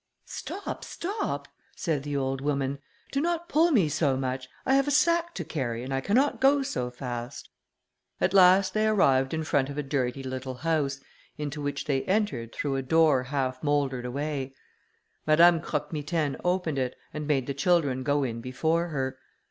"Stop! stop!" said the old woman, "do not pull me so much, I have my sack to carry, and I cannot go so fast." At last they arrived in front of a dirty little house, into which they entered, through a door half mouldered away. Madame Croque Mitaine opened it, and made the children go in before her.